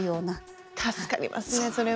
助かりますねそれは。